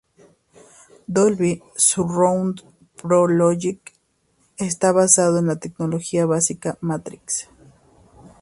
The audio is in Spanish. Dolby Surround Pro Logic está basado en la tecnología básica Matrix.